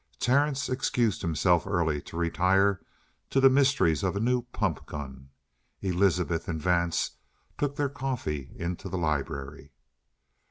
Terence excused himself early to retire to the mysteries of a new pump gun. Elizabeth and Vance took their coffee into the library.